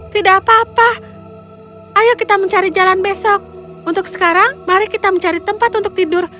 tidak apa apa ayo kita mencari jalan besok untuk sekarang mari kita mencari tempat untuk tidur